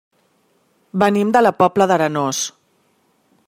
Venim de la Pobla d'Arenós.